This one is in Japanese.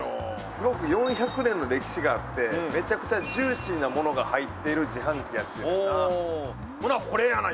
すごく４００年の歴史があって、めちゃくちゃジューシーなものが入ってる自販機言うんやな。